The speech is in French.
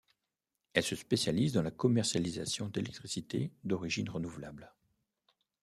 Elle se spécialise dans la commercialisation d'électricité d'origine renouvelable.